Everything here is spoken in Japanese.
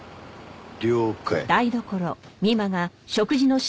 了解。